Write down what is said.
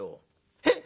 「へっ！？